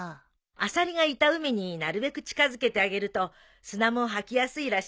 アサリがいた海になるべく近づけてあげると砂も吐きやすいらしいわね。